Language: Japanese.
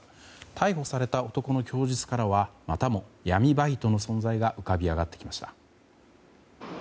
逮捕された男の供述からはまたも、闇バイトの存在が浮かび上がってきました。